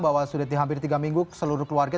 bahwa sudah hampir tiga minggu seluruh keluarga